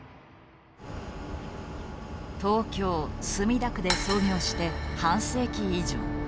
東京墨田区で創業して半世紀以上。